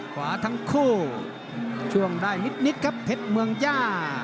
ขวาทั้งคู่ช่วงได้นิดครับเพชรเมืองย่า